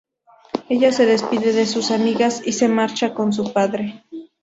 Ella se despide de sus amigas y se marcha con su padre.